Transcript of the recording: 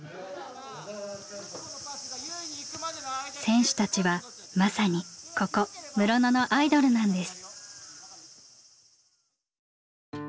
選手たちはまさにここ室野のアイドルなんです。